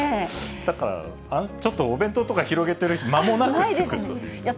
だから、ちょっとお弁当とか広げてる間もなく着くという。